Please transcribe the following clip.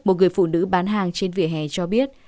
một người phụ nữ bán hàng trên vỉa hè cho biết